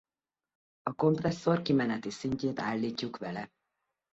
A kompresszor kimeneti szintjét állítjuk vele.